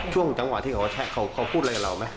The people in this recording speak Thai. ช่วงจังหวะที่เขาแชะเขาพูดอะไรกับเราไหม